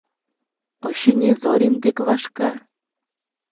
Очыни, Зорин дек вашка.